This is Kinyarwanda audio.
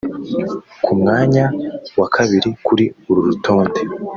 Ku mwanya wa kabiri kuri uru rutonde